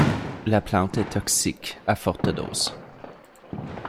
La plante est toxique à forte dose.